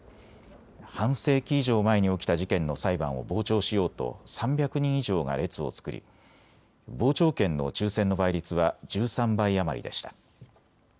半世紀以上前に起きた事件の裁判を傍聴しようと３００人以上が列を作り傍聴券の抽せんの倍率は１３倍余りでした。